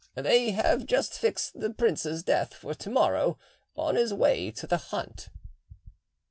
"They have just fixed the prince's death for tomorrow, on his way to the hunt."